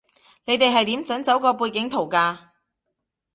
你哋係點整走個背景圖㗎